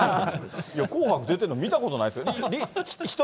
紅白出てるの見たことないですよ。